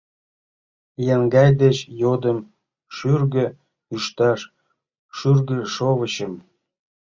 Еҥгай деч йодым шӱргӧ ӱшташ шӱргышовычым